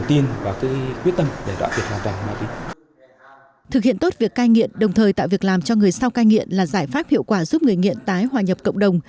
thực hiện tốt việc cai nghiện đồng thời tạo việc làm cho người sau cai nghiện là giải pháp hiệu quả giúp người nghiện tái hòa nhập cộng đồng